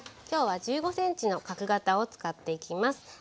きょうは１５ｃｍの角型を使っていきます。